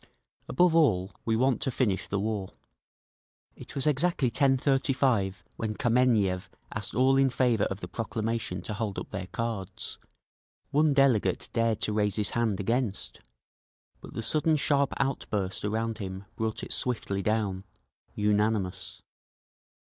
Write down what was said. Above all, we want to finish the war…." It was exactly 10:35 when Kameniev asked all in favour of the proclamation to hold up their cards. One delegate dared to raise his hand against, but the sudden sharp outburst around him brought it swiftly down…. Unanimous.